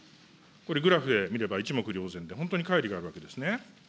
これ、グラフで見れば一目瞭然で、本当にかい離があるわけですね。